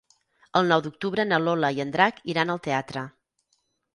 El nou d'octubre na Lola i en Drac iran al teatre.